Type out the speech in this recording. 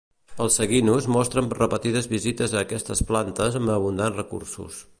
Els Saguinus mostren repetides visites a aquestes plantes amb abundants recursos.